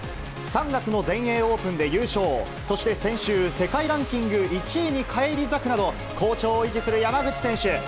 ３月の全英オープンで優勝、そして先週、世界ランキング１位に返り咲くなど、好調を維持する山口選手。